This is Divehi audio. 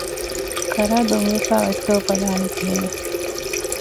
ކަރާ ދޮންވެފައި އޮތްތޯ ބަލާނީ ކިހިނެއް؟